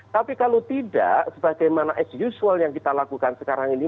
tapi kalau tidak sebagaimana as usual yang kita lakukan sekarang ini